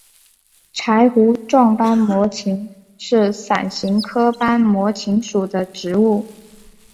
柴胡状斑膜芹是伞形科斑膜芹属的植物。